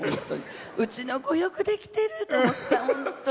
うちの子、よくできてると思った。